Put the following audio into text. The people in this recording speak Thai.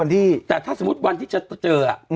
แต่ถ้าสมมุติวันที่จะเจอ